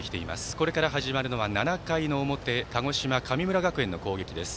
これから始まるのは、７回の表鹿児島、神村学園の攻撃です。